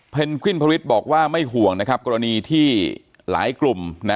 วิ่นพระฤทธิ์บอกว่าไม่ห่วงนะครับกรณีที่หลายกลุ่ม